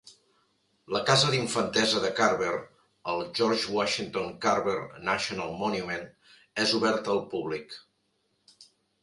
La casa d'infantesa de Carver, el George Washington Carver National Monument, és oberta al públic.